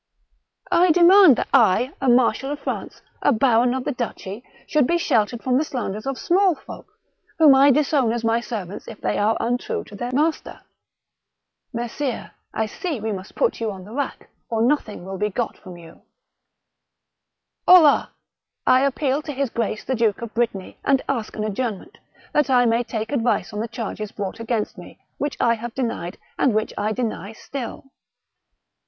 " I demand that I, a marshal of France, a baron of the duchy, should be sheltered from the slanders of small folk, whom I disown as my servants if they are untrue to their master." " Messire, I see we must put you on the rack, or no thing will be got from you." '* Hola ! I appeal to his grace the Duke of Brittany, and ask an adjournment, that I may take advice on the charges brought against me, which I have denied, and which I deny still."